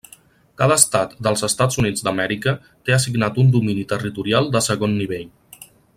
Cada estat dels Estats Units d'Amèrica té assignat un domini territorial de segon nivell.